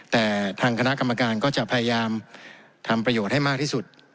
แต่ทางคณะกรรมการก็จะพยายามทำประโยชน์ให้มากที่สุด